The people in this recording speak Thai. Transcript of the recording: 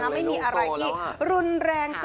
ไม่มีอะไรที่รุนแรงจ้ะ